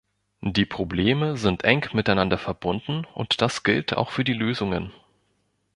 Die Probleme sind eng miteinander verbunden, und das gilt auch für die Lösungen.